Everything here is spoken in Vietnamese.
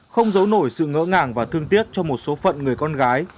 không giấu nổi sự ngỡ ngàng và thương tiếc cho một số phận người con gái